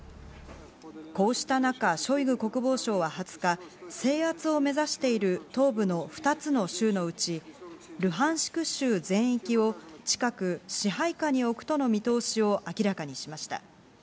こうした中、ショイグ国防相は２０日、制圧を目指している東部の二つの州のうち、ルハンシク州全域を近く支配下に置くとの見通しを明らかにしました。